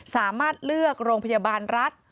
สามารถเลือกโรงพยาบาลรัฐ